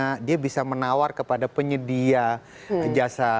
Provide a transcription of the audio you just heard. jadi bisa menawar kepada penyedia jasa